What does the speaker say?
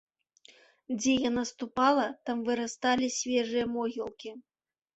Дзе яна ступала, там вырасталі свежыя могілкі.